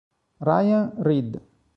Ryan Reid